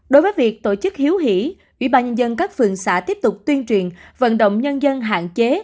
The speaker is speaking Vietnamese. đối với việc tổ chức hiếu hỉ ủy ban nhân dân các phường xã tiếp tục tuyên truyền vận động nhân dân hạn chế